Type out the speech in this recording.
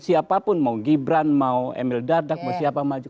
siapapun mau gibran mau emil dardak mau siapa maju